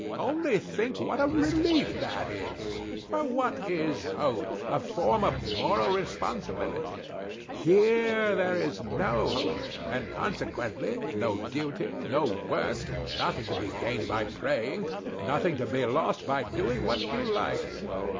Only think what a relief that is! For what is hope? A form of moral responsibility. Here there is no hope, and consequently no duty, no work, nothing to be gained by praying, nothing to be lost by doing what you like.